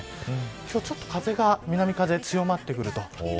今日はちょっと風が南風、強まってくると。